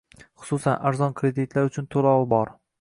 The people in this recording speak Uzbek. Xususan, arzon kreditlar uchun to'lov bor